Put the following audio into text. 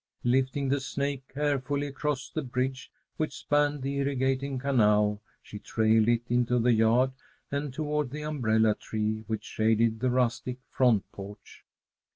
Lifting the snake carefully across the bridge which spanned the irrigating canal, she trailed it into the yard and toward the umbrella tree which shaded the rustic front porch.